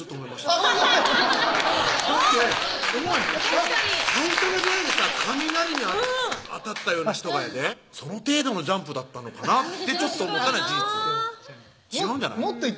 確かに最初の出会いでさ雷に当たったような人がやでその程度のジャンプだったのかなってちょっと思ったのは事実違うんじゃない？